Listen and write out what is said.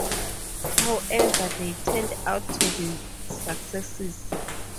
However they turned out to be successes.